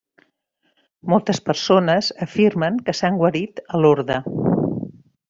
Moltes persones afirmen que s'han guarit a Lorda.